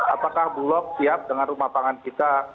apakah bulog siap dengan rumah pangan kita